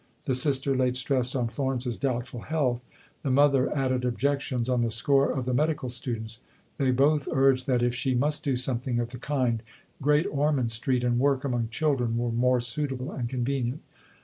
The sister laid stress on Florence's "doubtful health." The mother added objections on the score of the medical students. They both urged that, if she must do something of the kind, Great Ormond Street and work among children were more suitable and convenient.